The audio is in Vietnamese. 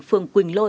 phường quỳnh lôi